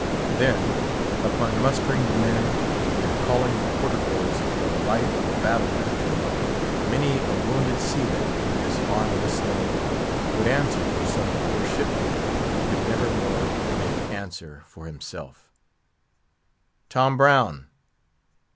Then, upon mustering the men, and calling the quarter bills by the light of a battle lantern, many a wounded seaman with his arm in a sling, would answer for some poor shipmate who could never more make answer for himself: "Tom Brown?"